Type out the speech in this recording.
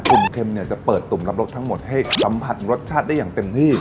ุ่มเค็มเนี่ยจะเปิดตุ่มรับรสทั้งหมดให้สัมผัสรสชาติได้อย่างเต็มที่